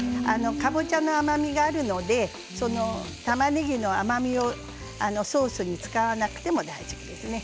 かぼちゃの甘みがあるのでたまねぎの甘みをソースに使わなくても大丈夫ですね。